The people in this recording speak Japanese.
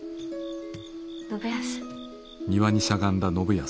信康。